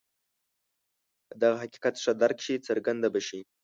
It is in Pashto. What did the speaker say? که دغه حقیقت ښه درک شي څرګنده به شي.